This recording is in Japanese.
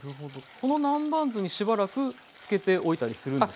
この南蛮酢にしばらく漬けておいたりするんですか？